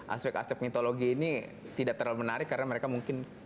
aspek aspek mitologi ini tidak terlalu menarik karena mereka mungkin